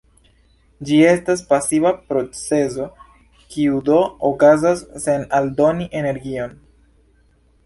Ĝi estas pasiva procezo, kiu do okazas sen aldoni energion.